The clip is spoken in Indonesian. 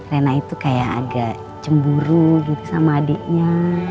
rena itu kayak agak cemburu gitu sama adiknya